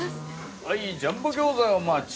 はいジャンボ餃子お待ち。